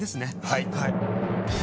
はい！